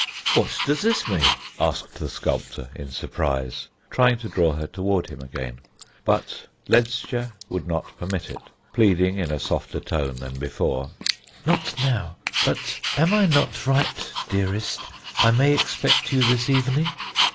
"What does this mean?" asked the sculptor in surprise, trying to draw her toward him again; but Ledscha would not permit it, pleading in a softer tone than before: "Not now; but am I not right, dearest I may expect you this evening?